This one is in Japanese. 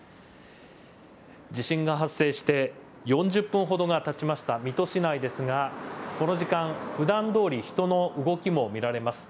地震が発生して４０分ほどがたちました水戸市内ですが、この時間、ふだんどおり人の動きも見られます。